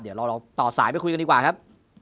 เดี๋ยวเราต่อสายไปคุยกันดีกว่าครับ